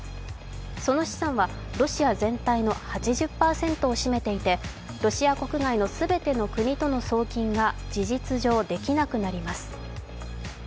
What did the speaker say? その資産はロシア全体の８０％を占めていてロシア国外の全ての国との送金が事実上できなくなります。